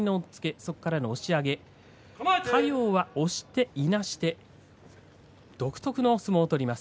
そこからの押し上げで嘉陽は押していなして独特の相撲を取ります。